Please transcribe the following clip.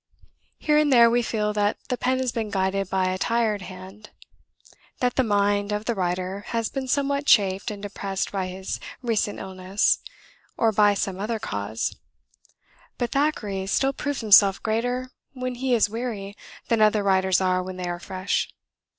Here and there we feel that the pen has been guided by a tired hand, that the mind of the writer has been somewhat chafed and depressed by his recent illness, or by some other cause; but Thackeray still proves himself greater when he is weary than other writers are when they are fresh.